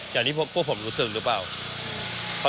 อย่างที่พวกผมรู้สึกรู้ป่ะครับ